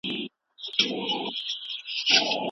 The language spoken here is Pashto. هغوی د ټکنالوژۍ سره اشنا کيږي.